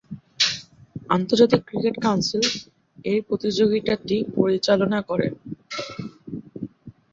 আন্তর্জাতিক cricket council এ প্রতিযোগিতাটি পরিচালনা করে।